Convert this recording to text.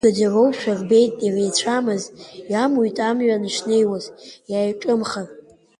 Уи гаӡароушәа рбеит иреицәамыз, иамуит амҩан, ишнеиуаз, иааиҿымхар.